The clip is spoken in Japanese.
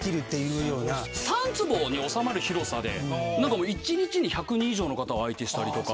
３坪に収まる広さで１日に１００人以上の方を相手したりとか。